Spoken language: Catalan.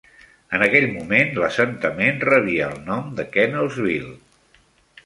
En aquell moment, l'assentament rebia el nom de Kennelsville.